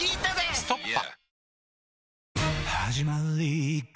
「ストッパ」